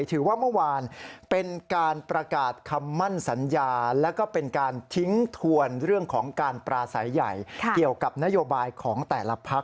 ถือว่าเมื่อวานเป็นการประกาศคำมั่นสัญญา